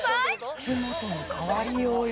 口元の変わりようよ